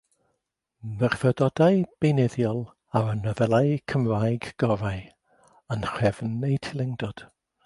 Myfyrdodau beunyddiol ar y nofelau Cymraeg gorau, yn nhrefn eu teilyngdod.